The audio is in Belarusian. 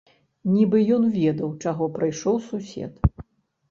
Нібы ён ведаў, чаго прыйшоў сусед.